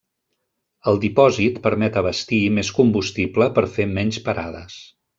El dipòsit permet abastir més combustible per fer menys parades.